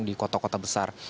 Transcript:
di kota kota besar